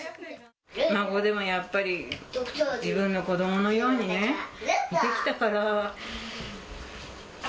孫でもやっぱり、自分の子どものように見てきたから。